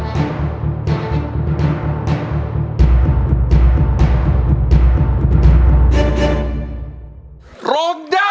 หลงได้ครับ